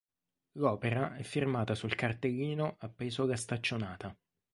L'opera è firmata sul cartellino appeso alla staccionata.